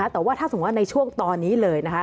แต่ว่าถ้าสมมุติว่าในช่วงตอนนี้เลยนะคะ